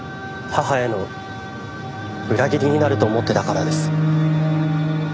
母への裏切りになると思ってたからです。